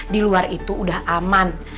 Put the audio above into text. di luar itu udah aman